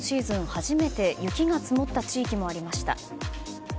初めて雪が積もった地域もありました。